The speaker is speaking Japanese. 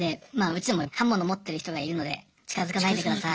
「刃物持ってる人がいるので近づかないでください！」